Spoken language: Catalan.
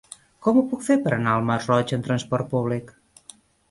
Com ho puc fer per anar al Masroig amb trasport públic?